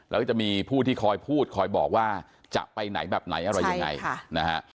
แล้วก็จะมีผู้ที่คอยพูดคอยบอกว่าจะไปไหนแบบไหนอะไรยังไงนะฮะ